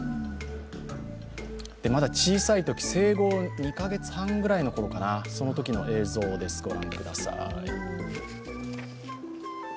まだ小さいとき生後２か月半ぐらいのときかな、そのときの映像です、ご覧ください